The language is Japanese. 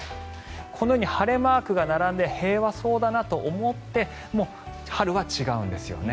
このように晴れマークが並んで平和そうだなと思っても春は違うんですよね。